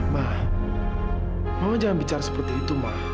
ma mama jangan bicara seperti itu